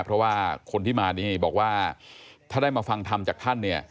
เพราะว่าคนที่มานี่บอกว่าถ้าได้มาฟังธรรมจากท่านเนี่ย